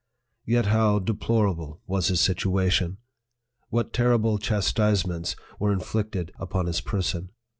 Yet how deplorable was his situation ! what terrible chastisements were PREFACE. IX inflicted upon his person!